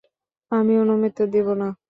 আমি অনুমতি দেবো না।